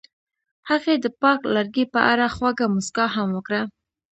هغې د پاک لرګی په اړه خوږه موسکا هم وکړه.